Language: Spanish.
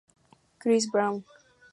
Chris Brown.